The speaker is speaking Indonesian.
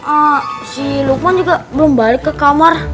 ah si lukman juga belum balik ke kamar